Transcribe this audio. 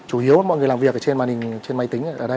chủ yếu là mọi người làm việc trên màn hình máy tính